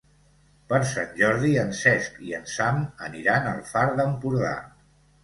Per Sant Jordi en Cesc i en Sam aniran al Far d'Empordà.